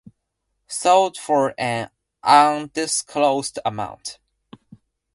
Sold for an undisclosed amount.